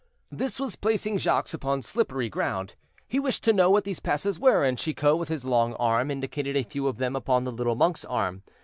This was placing Jacques upon slippery ground. He wished to know what these passes were; and Chicot, with his long arm, indicated a few of them upon the little monk's arm.